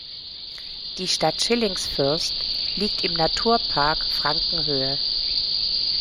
Die Stadt Schillingsfürst liegt im Naturpark Frankenhöhe.